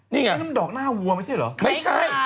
นี่ไงนี่มันดอกหน้าวัวไม่ใช่เหรอไม่ใช่